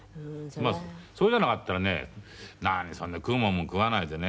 そうじゃなかったらね何食うものも食わないでね